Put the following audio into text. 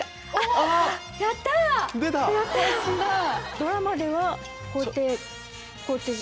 ドラマではこうやってこうやって。